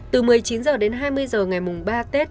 từ một mươi chín h đến hai mươi h ngày mùng ba tết